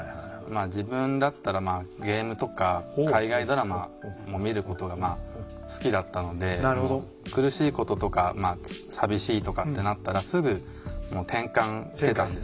自分だったらまあゲームとか海外ドラマも見ることが好きだったので苦しいこととかまあ寂しいとかってなったらすぐもう転換してたんですよ。